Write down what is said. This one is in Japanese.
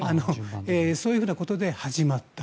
そういうことで始まった。